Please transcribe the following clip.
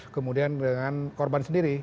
kemudian dengan korban sendiri